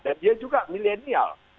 dan dia juga milenial